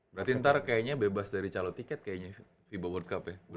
berarti ntar kayaknya bebas dari calon tiket kayaknya fiba world cup ya